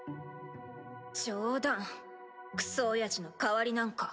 冗談クソおやじの代わりなんか。